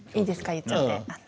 言っちゃって。